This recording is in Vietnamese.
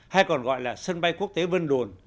hay còn gọi là sân bay quốc tế vân đồn